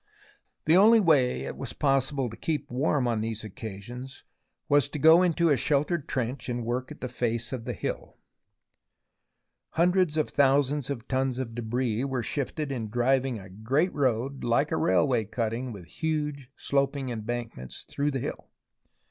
The only way it was possible to keep warm on these occasions was to go into a sheltered trench and work at the face of the hill. THE ROMANCE OF EXCAVATION 173 Hundreds of thousands of tons of debris were shifted in driving a great road like a railway cutting with huge sloping embankments through the hill.